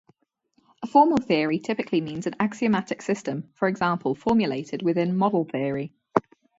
A formal theory typically means an axiomatic system, for example formulated within model theory.